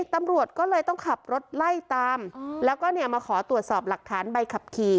ตำรวจก็เลยต้องขับรถไล่ตามแล้วก็มาขอตรวจสอบหลักฐานใบขับขี่